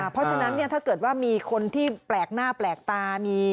เพราะฉะนั้นถ้าเกิดว่ามีคนที่แปลกหน้าแปลกตา